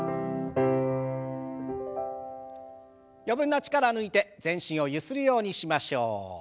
余分な力を抜いて全身をゆするようにしましょう。